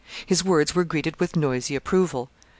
His words were greeted with noisy approval.